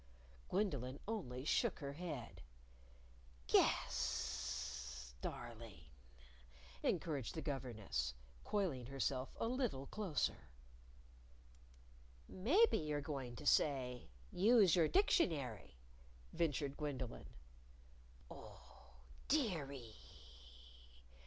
Gwendolyn only shook her head. "Guess, darling," encouraged the governess, coiling herself a little closer. "Maybe you're going to say, 'Use your dictionary,'" ventured Gwendolyn. "Oh, dearie!"